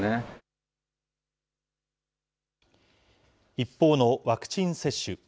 一方のワクチン接種。